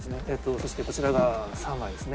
そしてこちらが３枚ですね。